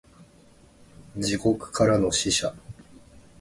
地獄からの使者